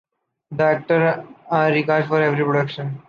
The actors are recast for every production.